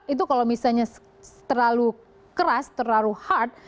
itu kalau misalnya terlalu keras terlalu hard